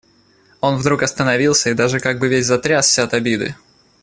Он вдруг остановился и даже как бы весь затрясся от обиды.